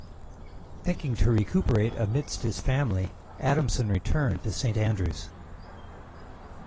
Thinking to recuperate amidst his family, Adamson returned to Saint Andrews.